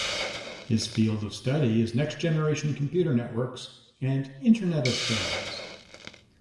His field of study is next generation computer networks and Internet of Things.